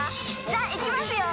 じゃあ行きますよ。